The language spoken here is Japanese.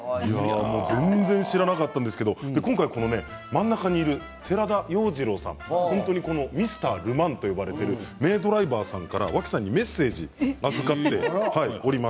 全然知らなかったんですけど今回この真ん中にいる寺田陽次郎さんミスタール・マンと呼ばれている名ドライバーさんから脇さんにメッセージを預かっております。